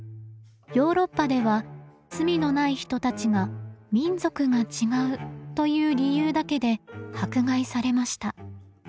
ヨーロッパでは罪のない人たちが民族が違うという理由だけで迫害されました。